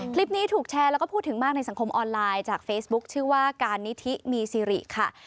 คลิปนี้ถูกแชร์แล้วก็พูดถึงมากในสังคมออนไลน์จากเฟซบุ๊คชื่อว่าการนิธิมีซิริค่ะ